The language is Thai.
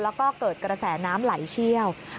แล้วก็เกิดกระแสน้ำไหลเชี่ยว